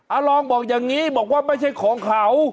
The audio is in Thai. อารองบอกอย่างนี้บอกว่าไม่ใช่ของเขา